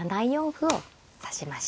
歩を指しました。